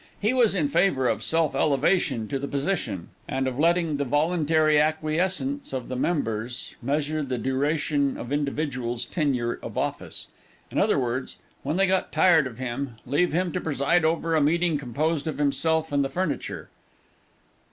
He was in favor of self elevation to the position, and of letting the voluntary acquiescence of the members measure the duration of individuals' tenure of office in other words, when they got tired of him, leave him to preside over a meeting composed of himself and the furniture.